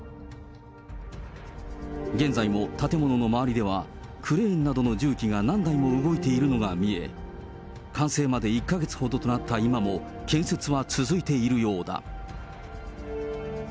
現在も建物の周りでは、クレーンなどの重機が何台も動いているのが見え、完成まで１か月ほどとなった今も、建設は続いているようだ。